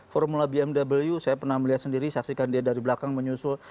formula bmw saya pernah melihat sendiri saksikan dia dari belakang menyusul